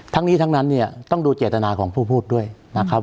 ทั้งนี้ทั้งนั้นเนี่ยต้องดูเจตนาของผู้พูดด้วยนะครับ